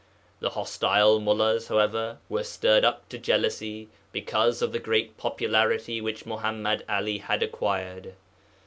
The hostile mullās, however, were stirred up to jealousy because of the great popularity which Muḥammad 'Ali had acquired.